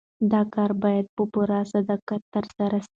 دا کار باید په پوره صداقت ترسره سي.